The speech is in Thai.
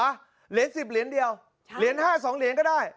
เหรียญสิบเหรียญเดียวเหรียญห้าสองเหรียญก็ได้